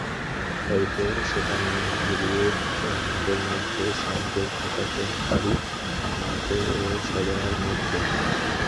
হয়তো সেটা ঘুরিয়ে দিয়ে আমাদের মধ্যে সংযোগ ঘটাতে পারি, আমাদের সবার মধ্যে।